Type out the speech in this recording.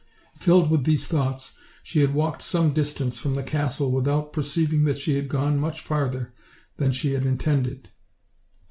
Filled with these thoughts, she had walked some distance from the castle without perceiving that she had gone much further than she had intended.